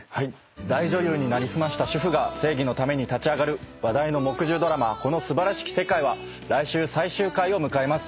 大女優に成り済ました主婦が正義のために立ち上がる話題の木１０ドラマ『この素晴らしき世界』は来週最終回を迎えます。